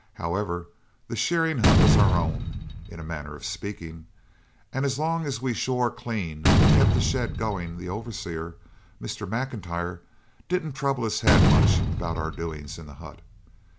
However, the shearing hut was our own, in a manner of speaking, and as long as we shore clean and kept the shed going the overseer, Mr. M'Intyre, didn't trouble his head much about our doings in the hut.